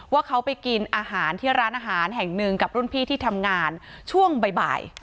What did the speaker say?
ว่าเขาไปกินอาหารที่ร้านอาหารแห่งหนึ่งกับรุ่นพี่ที่ทำงานช่วงบ่าย